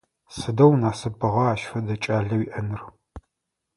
Сыдэу насыпыгъа ащ фэдэ кӏалэ уиӏэныр!